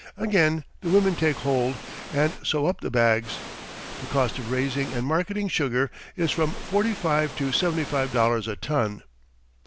Again the women take hold, and sew up the bags. The cost of raising and marketing sugar is from forty five to seventy five dollars a ton.